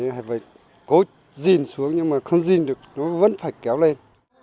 hãy phải cố dình xuống nhưng mà không dình được nó vẫn phải kéo lên